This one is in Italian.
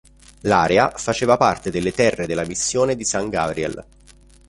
L'area faceva parte delle terre della Missione di San Gabriel.